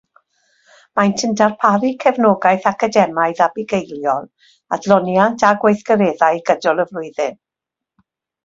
Maent yn darparu cefnogaeth academaidd a bugeiliol, adloniant a gweithgareddau gydol y flwyddyn.